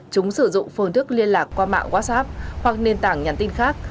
chúng sử dụng phương thức liên lạc qua mạng whatsapp hoặc nền tảng nhắn tin khác